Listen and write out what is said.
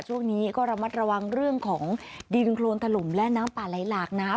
ช่วงนี้ก็ระมัดระวังเรื่องของดินโครนถล่มและน้ำป่าไหลหลากน้ำ